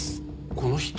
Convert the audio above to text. この人。